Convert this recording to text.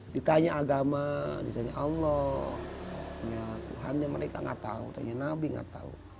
ditanya agama ditanya allah tuhannya mereka nggak tahu tanya nabi nggak tahu